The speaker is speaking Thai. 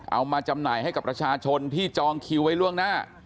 เอามาจำหน่ายให้กับประชาชนที่จองคิวไว้ล่วงหน้า